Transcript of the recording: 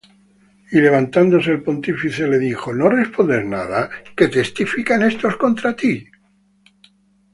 Y levantándose el pontífice, le dijo: ¿No respondes nada? ¿qué testifican éstos contra ti?